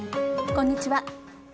こんにちは。